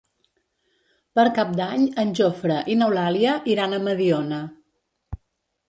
Per Cap d'Any en Jofre i n'Eulàlia iran a Mediona.